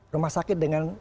rumah sakit dengan